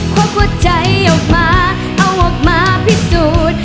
ควักหัวใจออกมาเอาออกมาพิสูจน์